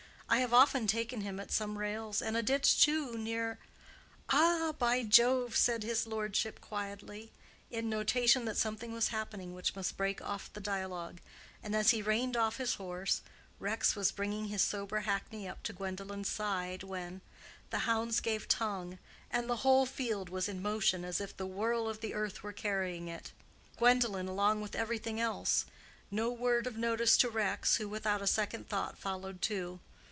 "I have often taken him at some rails and a ditch too, near—" "Ah, by Jove!" said his lordship, quietly, in notation that something was happening which must break off the dialogue: and as he reined off his horse, Rex was bringing his sober hackney up to Gwendolen's side when—the hounds gave tongue, and the whole field was in motion as if the whirl of the earth were carrying it; Gwendolen along with everything else; no word of notice to Rex, who without a second thought followed too.